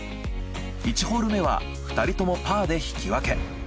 １ホール目は２人ともパーで引き分け。